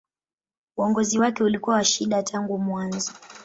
Uongozi wake ulikuwa wa shida tangu mwanzo.